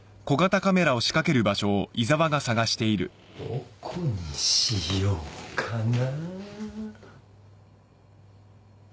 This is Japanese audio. どこにしようかな？